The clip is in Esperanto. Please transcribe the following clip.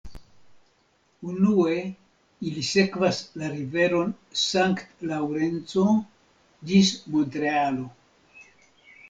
Unue ili sekvas la riveron Sankt-Laŭrenco ĝis Montrealo.